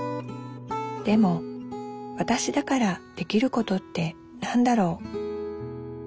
でもわたしだからできることって何だろう？